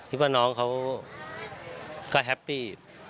ว่าน้องเขาก็แฮปปี้